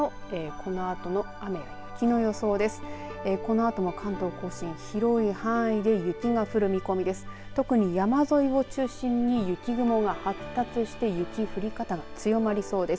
このあとも関東甲信広い範囲で雪が降る見込みです。